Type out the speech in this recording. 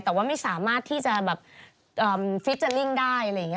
แต่ว่าไม่สามารถที่จะแบบฟิเจอร์ลิ่งได้อะไรอย่างนี้